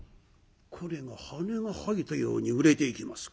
これが羽が生えたように売れていきました。